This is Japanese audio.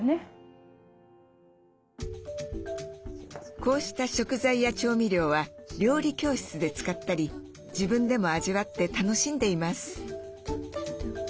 こうした食材や調味料は料理教室で使ったり自分でも味わって楽しんでいます。